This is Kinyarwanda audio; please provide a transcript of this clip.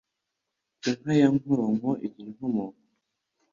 Inka ya Nkoronko igira inkomoko